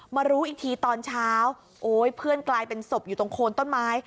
มารู้อีกทีตอนเช้าโอ๊ยเพื่อนกลายเป็นศพอยู่ตรงโคนต้นไม้